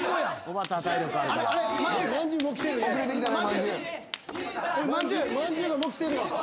まんじゅうがもうきてる。